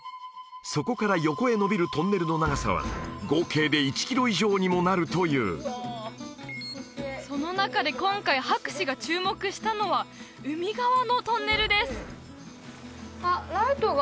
そこから横へのびるトンネルの長さは合計で１キロ以上にもなるというその中で今回博士が注目したのは海側のトンネルです